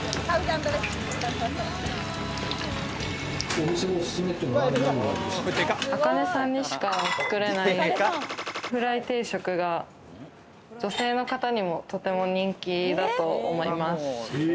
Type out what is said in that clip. お店のオススメっていうのはあかねさんにしかつくれないフライ定食が女性の方にも、とても人気だと思います。